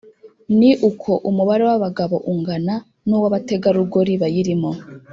ni uko umubare w’abagabo ungana n’uw’abategarugoli bayirimo